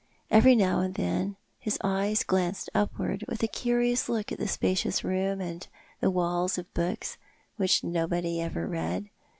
Every now and then his eyes jilanced upward, with a curious look at the spacious room, and the walls of books which nobody ever read.